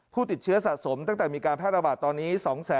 ผู้ติดเชื้อสะสมตั้งแต่มีการแพร่ระบาดตอนนี้